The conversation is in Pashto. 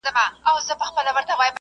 څنګه پردی سوم له هغي خاوري .